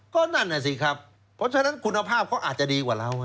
ก็นั่นน่ะสิครับเพราะฉะนั้นคุณภาพเขาอาจจะดีกว่าเรา